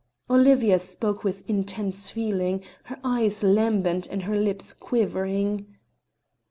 Olivia spoke with intense feeling, her eyes lambent and her lips quivering.